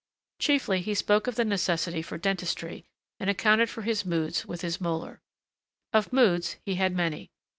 Chiefly he spoke of the necessity for dentistry and accounted for his moods with his molar. Of moods he had many.